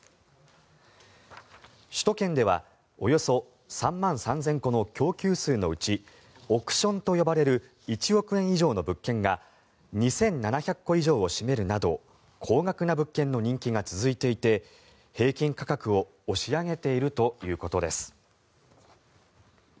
首都圏ではおよそ３万３０００戸の供給数のうち億ションと呼ばれる１億円以上の物件が２７００戸以上を占めるなど高額な物件の人気が続いていて平均価格を押し上げているということです。